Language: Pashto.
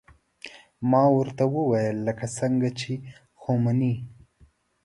ما ورته وويل لکه څنګه چې خميني.